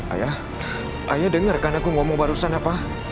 ayah ayah denger kan aku ngomong barusan apa